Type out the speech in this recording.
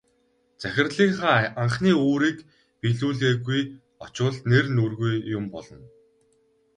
Захирлынхаа анхны үүрийг биелүүлэлгүй очвол нэр нүүргүй юм болно.